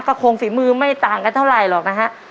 ก็คงฝีมือไม่ต่างกันเท่าไหร่หรอกนะฮะ